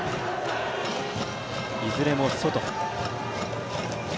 いずれも外。